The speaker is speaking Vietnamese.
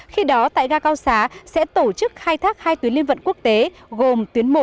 khi đó tại ga cao xá sẽ tổ chức khai thác hai tuyến liên vận quốc tế gồm tuyến một